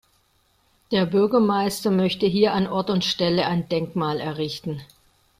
Der Bürgermeister möchte hier an Ort und Stelle ein Denkmal errichten.